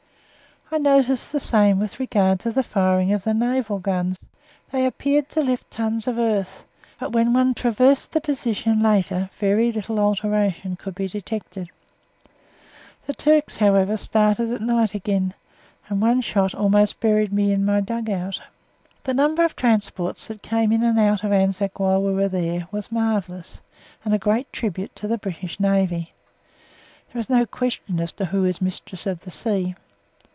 (I noticed the same with regard to the firing of the naval guns. They appeared to lift tons of earth, but when one traversed the position later very little alteration could be detected.) The Turks, however started at night again, and one shot almost buried me in my dug out. The number of transports that came in and out of Anzac while we were there was marvellous, and a great tribute to the British Navy. There is no question as to who is Mistress of the Sea.